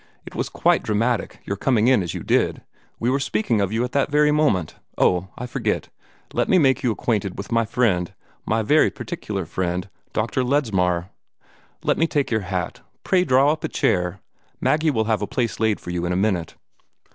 It was quite dramatic, your coming in as you did. We were speaking of you at that very moment. Oh, I forgot let me make you acquainted with my friend my very particular friend, Dr. Ledsmar. Let me take your hat; pray draw up a chair. Maggie will have a place laid for you in a minute."